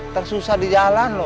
tersusah di jalan loh